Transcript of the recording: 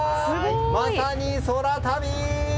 まさに空旅！